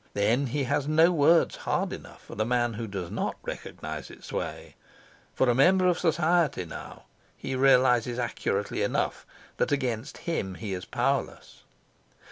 Then he has no words hard enough for the man who does not recognise its sway; for, a member of society now, he realises accurately enough that against him he is powerless.